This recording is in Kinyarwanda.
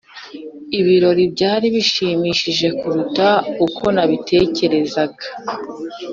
ibirori byari bishimishije kuruta uko nabitekerezaga.